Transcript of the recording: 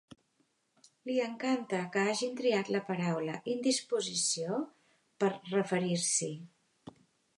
Li encanta que hagin triat la paraula indisposició per referir-s'hi.